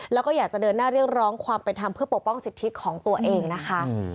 แล้วก็อยากจะเดินหน้าเรียกร้องความเป็นธรรมเพื่อปกป้องสิทธิของตัวเองนะคะ